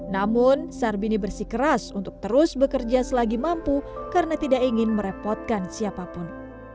namun sarbini bersih keras untuk terus bekerja selagi mampu karena tidak ingin merepotkan siapapun